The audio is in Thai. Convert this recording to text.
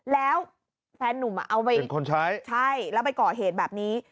แล้วแฟนนุ่มอ่ะเอาไปเองเป็นคนใช้ใช่แล้วไปก่อเหตุแบบนี้